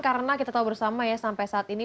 karena kita tahu bersama ya sampai saat ini